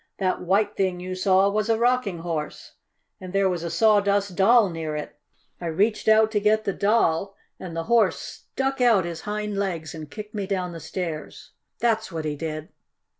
"That white thing you saw was a Rocking Horse, and there was a Sawdust Doll near it. I reached out to get the Doll, and the Horse stuck out his hind legs and kicked me down the stairs. That's what he did!"